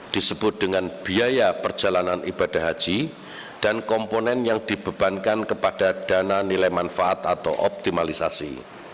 disebut dengan biaya perjalanan ibadah haji dan komponen yang dibebankan kepada dana nilai manfaat atau optimalisasi